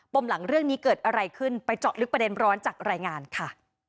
มหลังเรื่องนี้เกิดอะไรขึ้นไปเจาะลึกประเด็นร้อนจากรายงานค่ะ